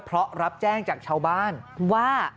เพราะรับแจ้งจากชาวบ้านว่า